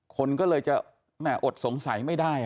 คนก็เลยจะแม่อดสงสัยไม่ได้